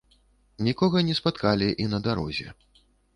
Нікога не спаткалі і на дарозе.